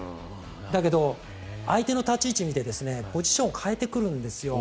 だけど、相手の立ち位置を見てポジションを変えてくるんです。